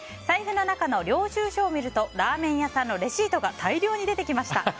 財布の中の領収書を見るとラーメン屋さんのレシートが大量に出てきました。